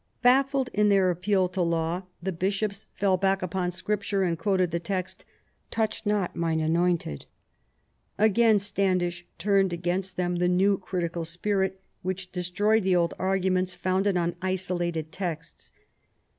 Bafiled in their appeal to law the bishops fell 136 THOMAS WOLSEY cha.p. back upon Scripture, and quoted the text, " Touch not mine anointed." Again Standish turned against them the new critical spirit^ which destroyed the old argu ments founded on isolated texts.